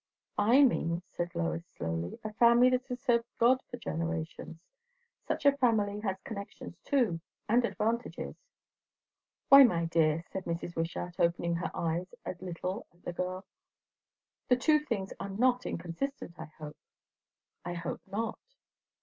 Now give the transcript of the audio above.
"I mean," said Lois slowly, "a family that has served God for generations. Such a family has connections too, and advantages." "Why, my dear," said Mrs. Wishart, opening her eyes a little at the girl, "the two things are not inconsistent, I hope." "I hope not."